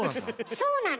そうなの？